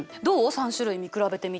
３種類見比べてみて。